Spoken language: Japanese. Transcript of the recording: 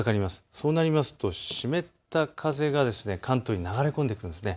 そうなりますと湿った風が関東に流れ込んでくるんです。